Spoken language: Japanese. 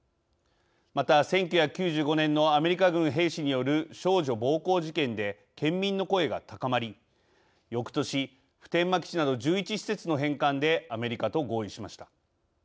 また、１９９５年のアメリカ軍兵士による少女暴行事件で県民の声が高まりよくとし、普天間基地など１１施設の返還でアメリカと合意しました。